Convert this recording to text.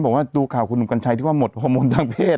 บอกว่าดูข่าวคุณหนุ่มกัญชัยที่ว่าหมดฮอร์โมนทางเพศ